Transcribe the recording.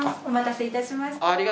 お待たせいたしました。